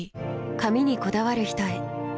髪にこだわる人へ。